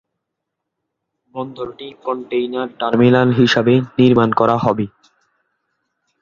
বন্দরটি container terminal হিসাবে নির্মান করা হবে।